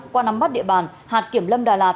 qua nắm bắt địa bàn hạt kiểm lâm đà lạt